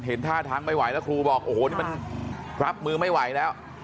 ท่าทางไม่ไหวแล้วครูบอกโอ้โหนี่มันรับมือไม่ไหวแล้ว